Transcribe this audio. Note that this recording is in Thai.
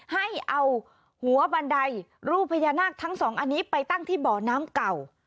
ให้เอาหัวบันไดรูปพญานาคทั้งสองอันนี้ไปตั้งที่บ่อน้ำเก่า